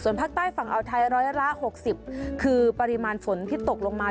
ภาคใต้ฝั่งอาวไทยร้อยละ๖๐คือปริมาณฝนที่ตกลงมา